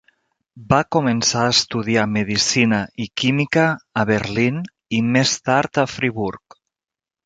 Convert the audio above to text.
Va començar a estudiar medicina i química a Berlín i més tard a Friburg.